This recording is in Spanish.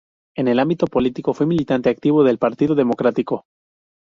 En el ámbito político fue militante activo del Partido Democrático.